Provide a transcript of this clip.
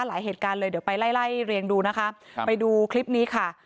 หลายเหตุการณ์เลยเดี๋ยวไปไล่ไล่เรียงดูนะคะไปดูคลิปนี้ค่ะ